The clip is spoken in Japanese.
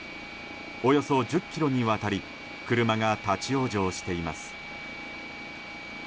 およそ１０ｋｍにわたり車が立ち往生しています。